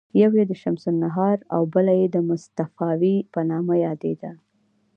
یوه یې د شمس النهار او بله د مصطفاوي په نامه یادېده.